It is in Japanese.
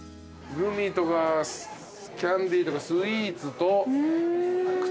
グミとかキャンディーとかスイーツと靴下。